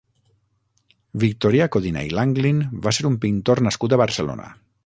Victorià Codina i Langlin va ser un pintor nascut a Barcelona.